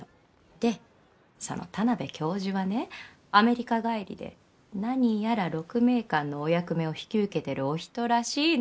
でその田邊教授がねアメリカ帰りで何やら鹿鳴館のお役目を引き受けてるお人らしいのよ！